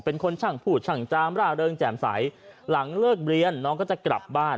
เป็นคนช่างพูดช่างจามร่าเริงแจ่มใสหลังเลิกเรียนน้องก็จะกลับบ้าน